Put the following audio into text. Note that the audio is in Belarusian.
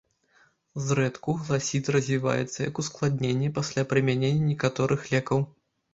Зрэдку гласіт развіваецца як ускладненне пасля прымянення некаторых лекаў.